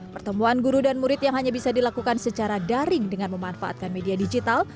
pertemuan guru dan murid yang hanya bisa dilakukan secara daring dengan memanfaatkan media digital